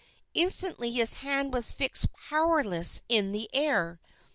Instantly his hand was fixed powerless in the air.